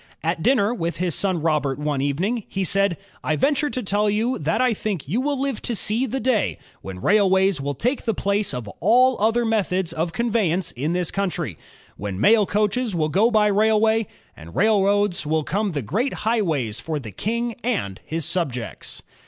At dinner with his son Robert one evening, he said: "I venture to tell you that I think you will live to see the day when 64 INVENTIONS OF STEAM AND ELECTRIC POWER railways will take the place of all other methods of con veyance in this country, — when mail coaches will go by railway, and railroads will become the great highways for the king and his subjects.